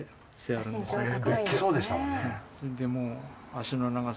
おっきそうでしたもんね。